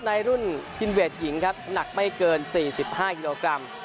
ในรุ่นทินเวทหญิงครับหนักไม่เกินสี่สิบห้ากิโลกรัม